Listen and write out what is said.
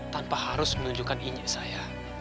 tanpa harus menunjukkan injak saya